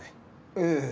ええ。